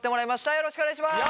よろしくお願いします。